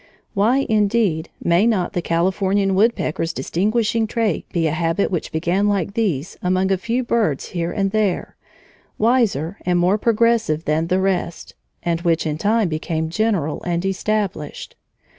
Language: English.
Why, indeed, may not the Californian woodpecker's distinguishing trait be a habit which began like these among a few birds here and there, wiser or more progressive than the rest, and which in time became general and established?